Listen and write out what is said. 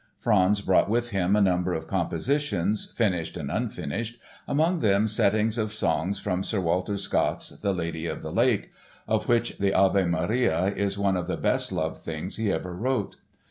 Franz brought with him a number of compositions, finished and unfinished, among them settings of songs from Sir Walter Scott's The Lady of the Lake, of which the Ave Maria is one of the best loved things he ever wrote.